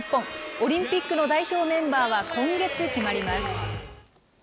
オリンピックの代表メンバーは今月決まります。